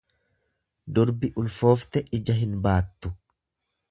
Durbi ulfoofte ija hin baattu.